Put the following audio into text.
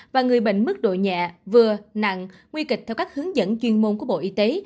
và người bệnh mức độ nhẹ vừa nặng nguy kịch theo các hướng dẫn chuyên môn của bộ y tế